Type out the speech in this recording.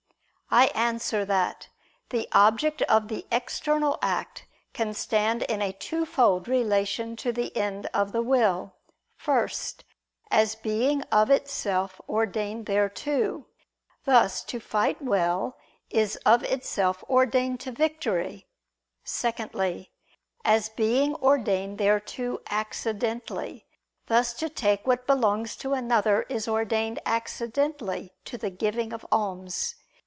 I answer that, The object of the external act can stand in a twofold relation to the end of the will: first, as being of itself ordained thereto; thus to fight well is of itself ordained to victory; secondly, as being ordained thereto accidentally; thus to take what belongs to another is ordained accidentally to the giving of alms.